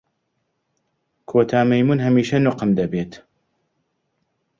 کۆتا مەیموون هەمیشە نوقم دەبێت.